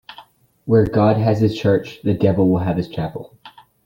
Where God has his church, the devil will have his chapel.